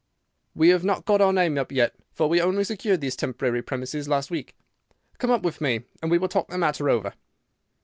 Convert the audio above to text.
"'We have not got our name up yet, for we only secured these temporary premises last week. Come up with me, and we will talk the matter over.